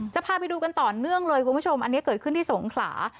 จะพาไปดูกันต่อเนื่องเลยคุณผู้ชมอันนี้เกิดขึ้นที่สงขลา